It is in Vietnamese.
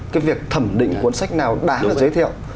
cái việc thẩm định cuốn sách nào đáng giới thiệu